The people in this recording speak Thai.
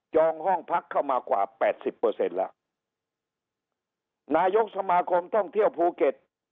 องห้องพักเข้ามากว่าแปดสิบเปอร์เซ็นต์แล้วนายกสมาคมท่องเที่ยวภูเก็ต